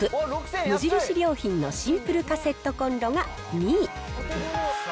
無印良品のシンプルカセットこんろが２位。